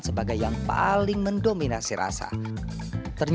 sebagai yang paling mendorong